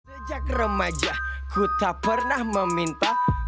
sejak remaja ku tak pernah meminta